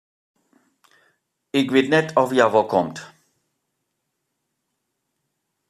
Ik wit net oft hja wol komt.